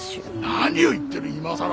何を言ってる今更。